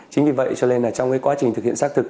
chính vì vậy cho nên là trong cái quá trình thực hiện xác thực